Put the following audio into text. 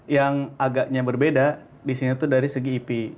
yang agaknya berbeda di sini itu dari segi ip